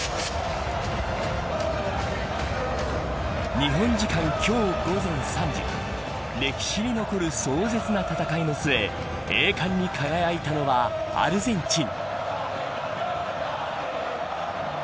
日本時間、今日午前３時歴史に残る壮絶な戦いの末栄冠に輝いたのはアルゼンチン。